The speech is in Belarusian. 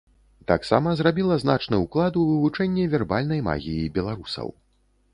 Таксама зрабіла значны ўклад у вывучэнне вербальнай магіі беларусаў.